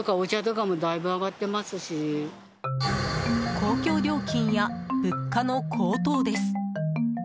公共料金や物価の高騰です。